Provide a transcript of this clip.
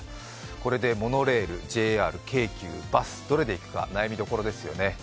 これでモノレール、ＪＲ、京急、バス、どれで行くか悩みどころですよね。